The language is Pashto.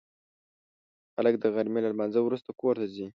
خلک د غرمې له لمانځه وروسته کور ته ځي